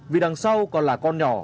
vì đằng sau còn là con nhỏ